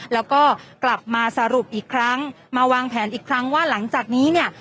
แล้วก็กลับมาสรุปอีกครั้งมาวางแผนอีกครั้งว่าหลังจากนี้เนี่ย